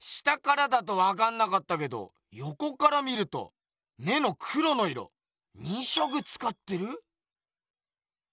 下からだとわかんなかったけどよこから見ると目の黒の色２色つかってる？